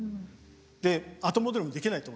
で後戻りもできないと思います。